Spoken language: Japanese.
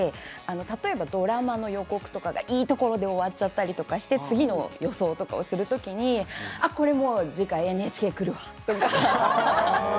例えば、ドラマの予告とかがいいところで終わっちゃったりして次の予想とかをする時にこれもう次回ＮＨＫくるわとか。